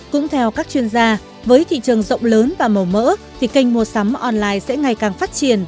cũng theo các chuyên gia với thị trường rộng lớn và màu mỡ thì kênh mua sắm online sẽ ngày càng phát triển